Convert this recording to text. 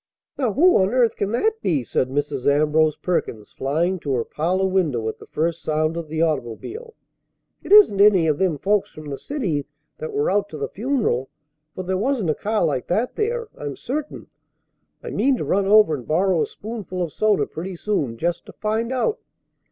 "Now, who on earth can that be?" said Mrs. Ambrose Perkins, flying to her parlor window at the first sound of the automobile. "It isn't any of them folks from the city that were out to the funeral, for there wasn't a car like that there, I'm certain! I mean to run over and borrow a spoonful of soda pretty soon, just to find out.